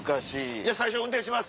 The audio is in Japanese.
じゃあ最初運転します。